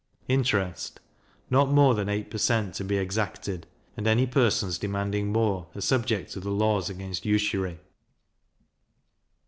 Interest not more than eight per cent. to be exacted; and any persons demanding more, are subject to the laws against usury.